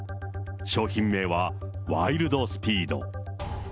商品名はワイルドスピード。